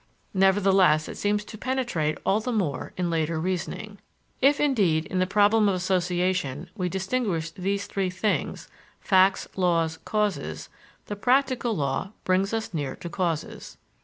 Nevertheless, it seems to penetrate all the more in later reasoning. If, indeed, in the problem of association we distinguish these three things facts, laws, causes the practical law brings us near to causes.